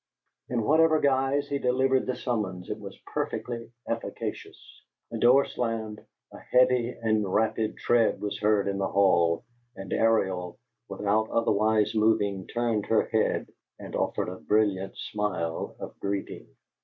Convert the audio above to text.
In whatever guise he delivered the summons, it was perfectly efficacious. A door slammed, a heavy and rapid tread was heard in the hall, and Ariel, without otherwise moving, turned her head and offered a brilliant smile of greeting.